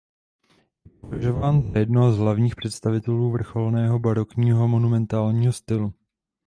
Je považován za jednoho z hlavních představitelů vrcholného barokního monumentálního stylu.